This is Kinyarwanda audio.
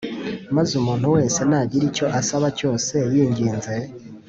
maze umuntu wese nagira icyo asaba cyose yinginze